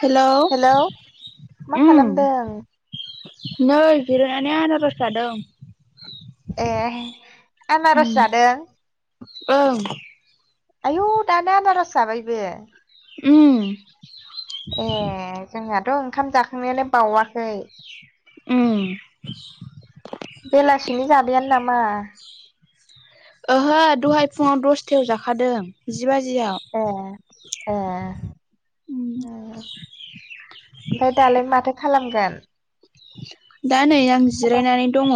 हेल' hello मा ओम खालामदों नै जिरायनानै आनारस जादों। आनारज जादों ओं आयु दानो आनारस जाबायबो। उम ए जोंनाथ' ओंखाम जाखांनायानो बावाखै उम बेलासिनि जाबायानो नामा ओहो दहाय फुङाव दसथायाव जाखादों जि बाजियाव। ए ए ओमफ्राय दालाय माथो खालामगोन? दा नै आं जिरायनानै दङ।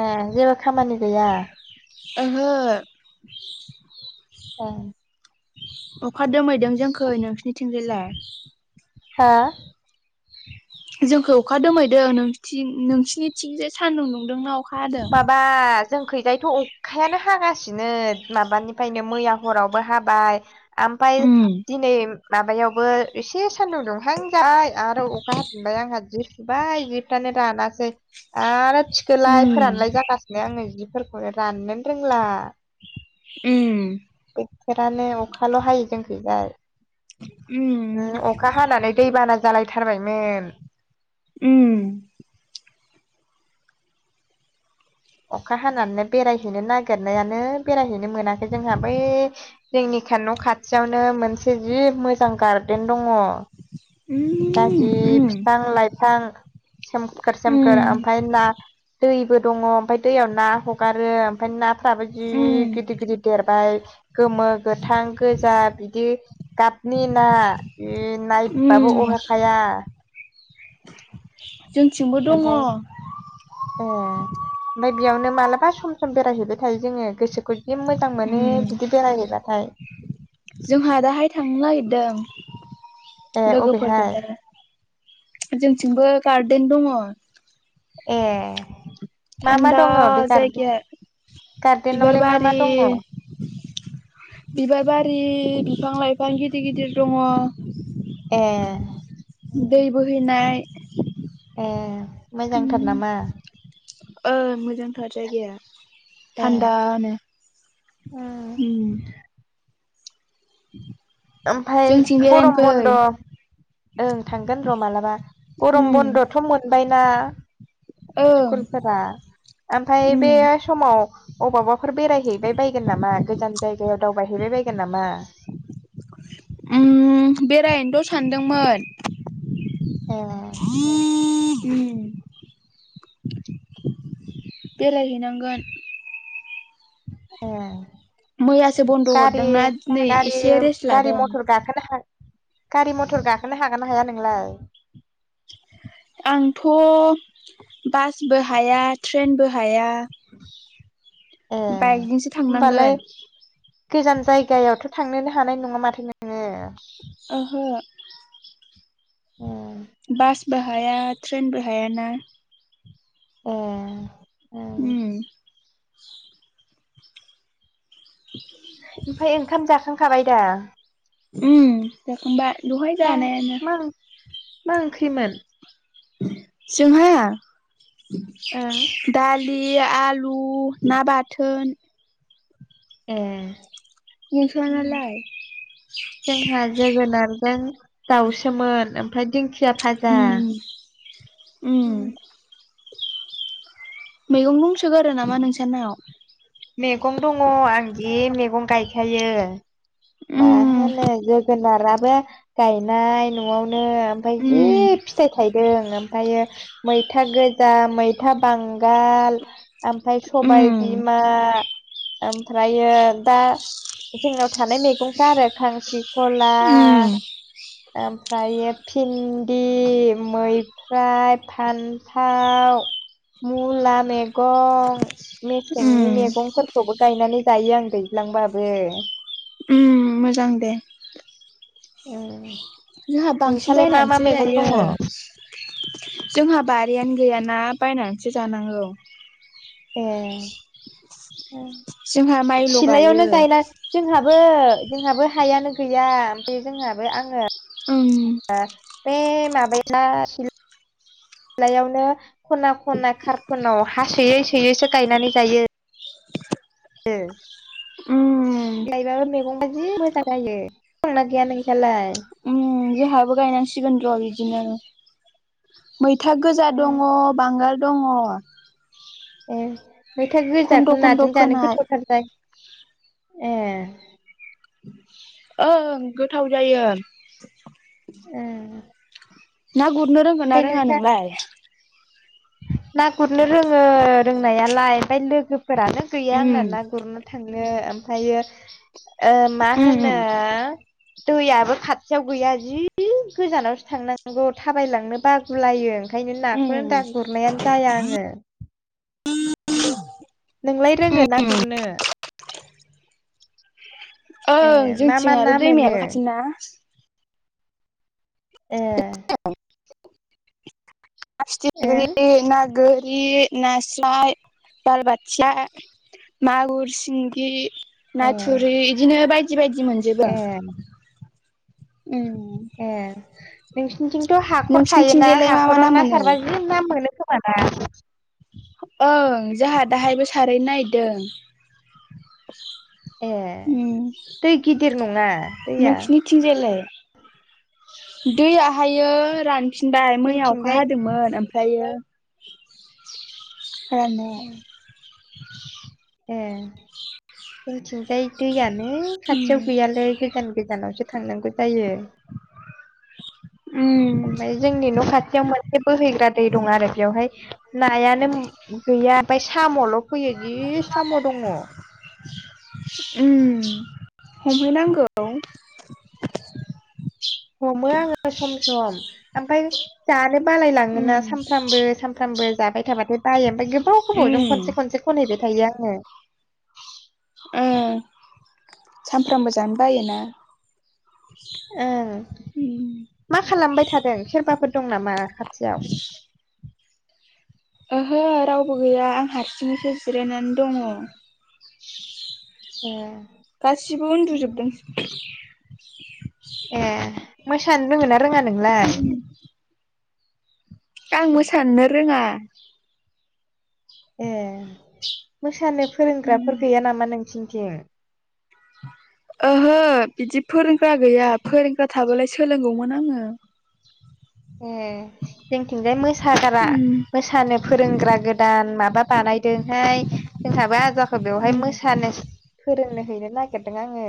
ए जेबो खामानि गैया? ओहो औ अखा दोमहैदों जोंखै नोंसिोरनिथिंजायलाय? हा जोंखौ अखा दोमैदो नोंथिं नोंसिरनिथिं जे सान्दुं दुंदोंना बाबा जोंखैजायथ' अखायानो हागासिनो माबानिफ्रायनो मैया हरावबो हाबाय ओफ्राय उम दिनै माबायावबो एसे सान्दुं दंहां जाबाय आरो अखा हफनबाय आंहा जि सुबाय जिफ्रानानै रानासै आरो थिखोलाय उम फोरानलाय जागासिनो आङो जिफोरखौनो राननोन रोंला उओ बोथोरानो अखाल' हाय जोंखैजाय उम अखा हानानै दै बाना जालायथारबायमोन उम अखा हानानै बेरायहैनो नागिरनायानो बेरायहैनो मोनाखै जोंहा बै जोंनि स सान न' खाथियावनो मोनसे जि मोजां गार्देन दङ उम गाज्रि बिफां लाइफां सोमखोर सोमखोर उम ओमफ्राय ना दैबो दङ ओमफ्राय दैयाव ना हगारो ओमफ्राय नाफ्राबो जि उम गिदिर गिदिर देरबाय'- गोमो गोथां गोजा बिदि गाबनि ना नाय नायबो उम अहा आ जोंथिंबो दङ अ ओमफ्राय बेयावनो मालाबा सम सम बेरायहैबाय थायो जोङो गोसोखौ जि मोजां मोनो उम बिदि बेरायहैबाथाय। [inaudible] जोंहा दाहाय थांनो ए नागिरदों लोगोफोर अबेहाय गोजा जोंथिंबो गार्देन दङ। ए मा मा थान्दा दङ बे गार्डे जायगाया बिबार गार्देनावलाय मा मा बारि। दङ बिबार बारि बिफां लाइफां गिदिर गिदिर दङ। ए दै बोहैनाय ए मोजांथार उम नामा। ओ मोजांथार जायगाया। ए थान्दानो उम ओमफ्राय जोंथिं बेरायनो गरम बन्द फै ओं थांगोन र' मालाबा गरम उम बन्दथ' मोनबायना। ओं स्कुलफोरा ओमफफ्राय उम बे समाव अबावबाफोर बेरायहैबाय बायगोन नामा गोजान जायगायाव दावबायहैबाय बायगोन नामा। उम बेरायनोथ' सानदोंमोन। ए ह [inaudible] बेरायहैनांगोन। ए मैयासो बन्द' गारि हरदोंना नै गारि एसे रेस्ट गारि लादों मथर गाखोनो हाग गारि मथर गाखोनो हागोन ना हाया नोंलाय आंथ' बासबो हाया ट्रेनबो हाया। ए बाइकजोंसो होमबालाय थांनांगोन गोजान जायगायावथ' थांनोनो हानाय नङा माथो नोङो ओहो उम बासबो हाया ट्रेनबो हायाना ए ओम उम [inaudible] ओमफ्राय ओंखाम जाखांखाबाय दा उम जाखांबाय दहाय मा जानायानो मा मा ओंख्रिमोन जोंहा ओं दालि दालि आलु ना बाथोन ए नोंसानालाय जोंहा जोगोनार जों दाउसोमोन ओमफ्राय दिंखिया भाजा उम उम मैगं दंसोगारो नामा नोंसानाव हायो मा उम होनो जोगोनाराबो गायनाय न'आव नो ओमफ्राय जि उम फिथाइ थायदों ओमफ्रायो मैथा गोजा मैथा बांगाल ओमफ्राय सबायाइ उम बि मा ओमफ्रायो दा जोंनाव थानाय मैगंफ्रा आरो खांख्रि खला उम ओमफ्रायो भिन्दि मैफ्राय फान्थाव मुला मैगं मे मेसेंनि उम मैगंफोरखौबो गायनानै जायो आं दैज्लांबाबो उम मोजां दे ओम जोंहा बांसिन बायनानैसो जायो जोंहा बा रियानो गैयाना बायनानैसो जानांगौ ए जोंहा माइल' गायो सिलायावनो गायना जोंहा बो जोंहाबो हायानो गैया ओमफ्राय जोंहाबो आङो ओं बे माबाया बिलायावनो खना खना कार्टनाव हा सोयै सोयैसो गायनानै जायो ए उम गायबाबो मैगं बाददि मोजां जायो दंना गैया नोंस्रालाय उम जोंहाबो गायनांसिगोन र' बिदिनो मैथा गोजा दङ बांगाल दङ ए मैथा खन्द' गोजाखौ खन्द' नाजों जानो फोनाय गोथावथार जाय ए ओं गोथाव जायो ए ना गुरनो रोंगोन ना रोङा नोंलाय ना गुरनो रोङो रोंनायालाय ओमफ्राय लोगो फोरानो गैया आंना उम ना गुरनो थांनो ओमफ्रायो ओ मा होनो उम दैयाबो खाथियाव गैया जि गोजानावसो थांनांगौ थाबायलांनो बागुलायो ओंखायनो नाखौ उम दा गुरनायानो जाया आङो नोंलाय रोङो ना उम गुरनो ए ओं मा मा जोंथिं ना आरो मोनो दैमायाबो खाथिना ना ए ना ओं फिथिग्रि ना गो रि नास्राय बालबाथिया मागुर सिंगि ना थुरि ए इदिनो बायदि बायदि मोनजोबो ए उम ए नोंसिनिथिंथ' हाखर थायोना नोंसिनिथिंजायलाय मा मा हाखराव ना मोनो? सारबा बिदि ना मोनो खो माना ओं जोंहा दाहायबो सारै ए नागिरदों। उम दै गिदिर नङा दैया नोंसिनिथिंजायालाय? दैआ हायो रानफिनबाय मैया अखा जोंथिंजाय हादोंमोन ओम फ्रायो खालामनो ए जोंथिंजाय दैयानो उम खाथियाव गैयालैय गोजान गोजानावसो थांनांगौ जायो। उम ओमफ्राय जोंनि न' खा थियाव मोनसे बोहैग्रा दै दं आरो बेयावहाय नायानो गैया ओमफ्राय साम'ल' फैयो जि साम' दङ उम हमहैनांगौ हमो आङो सम सम ओमफफ्राय जानो बालाय लाङोना उम सानफ्रामबो सानफ्राम बो जाबाय थाबाथाय बायो ओमफाय गोबाव गोबावजों उम खनसे खनसे खनहैबाय थायो आङो ओं सामफ्रामबो जानो बायोना ओं। उम मा खालामबाय थादों सोरबाफोर दं नामा खाथियाव? ओहो रावबो गैया आं हारसिङैसो जिरायनानै दङ। ए गासिबो उन्दुजोबदों ए मोसानो रोङोन ना रोङा नोंलाय? आं मोसानोनो रोङा। ए मोसानो फोरोंग्राफोर गैया नामा नोंसिनिथिं? ओहो बिदि फोरोंग्रा गैया फोरोंग्रा थाबालाय सोलोंगौमोन आङो ए जोंथिंजाय मोस मोसाग्रा उम मोसानो फोरोंग्रा गोदान माबा बानायदोंहाय जोंहाबो आजाखौ बेवहाय मोसानो फोरोंनो हैनो नागिरदों आङो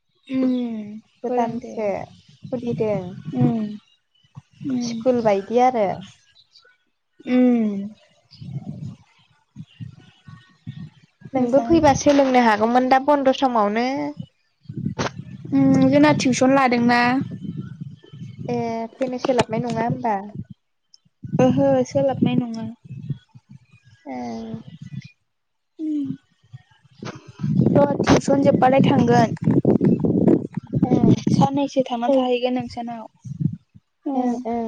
उम गोदानसो खुलिदों फोरोंदे उम स्कुल बायदि आरो उम उम [inaudible] नोंबो मोजां फैबा सोलोंनो हागौमोन दा बन्द' समावनो उम जोंना टिउसन लादोंना। ए फैनो सोलाबनाय नङा होमबा? ओहो सोलाबनाय नङा। औ र' टिउसन जोब्बालाय थांगोन ओं साननैसो थांना फै थाहैगोन नोंसानाव ओं उम ओं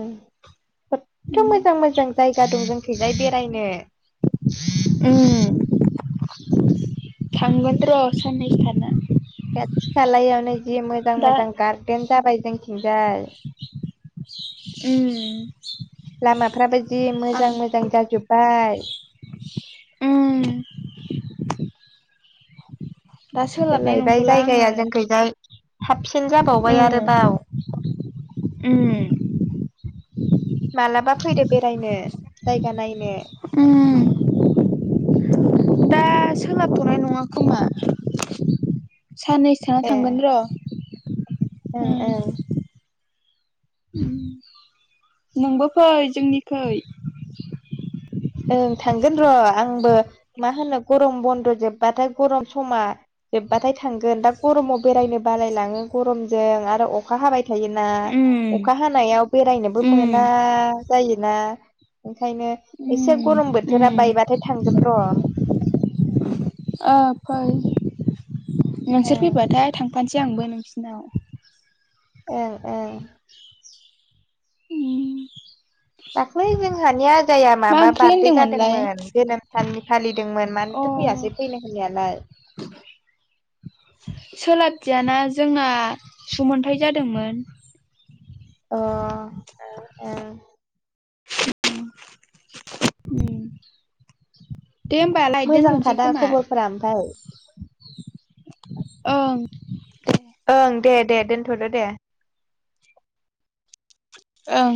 खथथ' मोजां मोजां जायगा दं जों खैजाय बेरायनो उम थांगोन र' सानैसो थाना खाथि खालायावनो जि मोजां दा मोजां गार्देन जाबाय जोंथिंजाय उम लामाफ्राबो जि मोजां आं मोजां जाजोब्बाय। उम दा सोलाबबाय सोलायबाय नंथ'ला आङो जायगाया जोंखैजाय साबसिन जाबावबाय आरोबाव उम उम मालाबा फैदो बेरायनो जायगा नायनो। उम दा सोलाबथ'नाय नङा खोमा साननैसो थानाव ए थांगोन र' ओं ओं उम [inaudible] नोंबो फै जोंनिखै ओं थांगोन र' आंबो मा होनो गरम बन्द' जोबबाथाय गरम समा जोब्बाथाय थांगोन दा गरमाव बेरायनो बालायलाङो गरमजों आरो अखा हाबाय थायोना उम अखा हानायाव बेरायनोबो उम मोना जायो ना ओंखायनो एसे उम गरम बोथोरा उम बायबाथाय थांगोन र' ओ फै नोंसोर ओं फैबाथाय थां फानसै थानोसै आंबो नोंसिनाव। ओं ओं उम दाख्लै जोंहानिया फुजाया मा माबा ओंख्रि बार्थडेय होनदोंमोनलाय? जादोंमोन। जोनोम साननि फालिदोंमोन अ मानोथो फैयासै फैनो होननायालाय? सोलाबदिया ना, जोंहा सुमोनथाइ जादोंमोन। अ ओं ओं। उम। दे होमबालाय दोनथ'नोसै मोजांखादा खोमा खबरफोरा ओमफ्राय? ओं ओं दे दे दोनथ'दो दे। ओं।